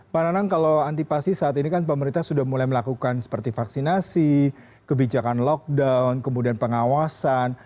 pak nanang kalau antipasi saat ini kan pemerintah sudah mulai melakukan seperti vaksinasi kebijakan lockdown kemudian pengawasan